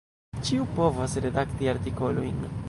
Ĉiu povas redakti artikolojn.